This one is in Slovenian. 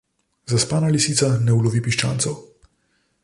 Zaspana lisica ne ulovi piščancev.